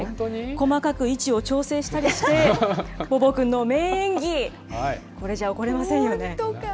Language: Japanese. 細かく位置を調整したりして、ボボ君の名演技、これじゃ怒れま本当か？